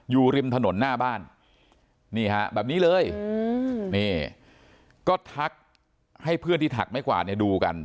อยู่ริมถนนหน้าบ้านแบบนี้เลยก็ทักให้เพื่อนที่ถักไม้กวาดดูกัน